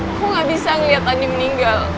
aku gak bisa ngeliat ani meninggal